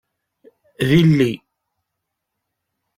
D illi.